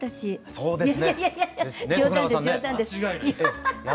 そうですね。